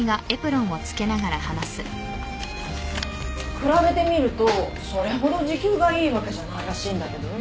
比べてみるとそれほど時給がいいわけじゃないらしいんだけどね。